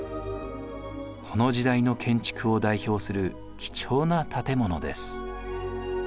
この時代の建築を代表する貴重な建物です。